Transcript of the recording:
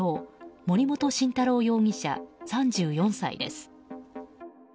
森本晋太郎容疑者、３４歳です。